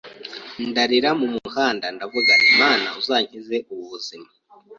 ndarira mu muhanda ndavuga nti “Mana uzankize ubu buzima!